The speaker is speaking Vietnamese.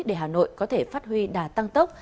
để hà nội có thể phát huy đà tăng tốc